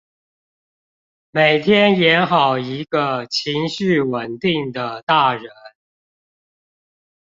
每天演好一個情緒穩定的大人